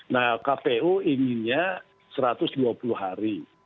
nah kpu inginnya satu ratus dua puluh hari